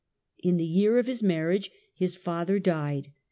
In the year of his marriage his father died.